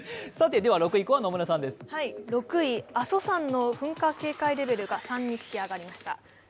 では６位以降は野村さんです６位、阿蘇山の噴火警戒レベルが３に引き上げられました。